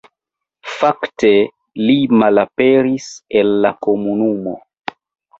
Fakte li malaperis el la komunumo.